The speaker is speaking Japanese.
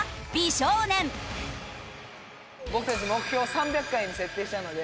僕たち目標を３００回に設定したので。